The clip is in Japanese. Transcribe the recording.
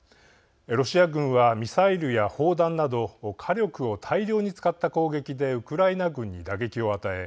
ロシア軍は、ミサイルや砲弾など火力を大量に使った攻撃でウクライナ軍に打撃を与え